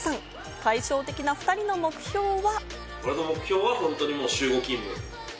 対照的な２人の目標は。